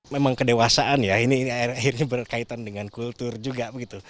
memang kedewasaan ya ini akhirnya berkaitan dengan kultur juga